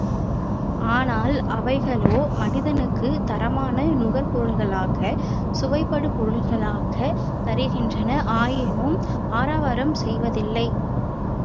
ஆனால் அவைகளோ மனிதனுக்குத் தரமான நுகர் பொருள்களாக, சுவைபடு பொருள்களாகத் தருகின்றன, ஆயினும் ஆரவாரம் செய்வதில்லை.